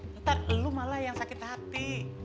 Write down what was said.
ntar lu malah yang sakit hati